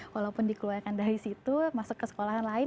walaupun dikeluarkan dari situ masuk ke sekolahan lain